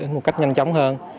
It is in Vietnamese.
một cách nhanh chóng hơn